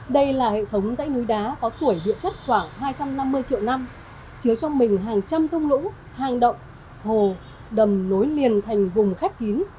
đây là hệ thống dãy núi đá có tuổi địa chất khoảng hai trăm năm mươi triệu năm chứa trong mình hàng trăm thông lũ hàng động hồ đầm nối liền thành vùng khép kín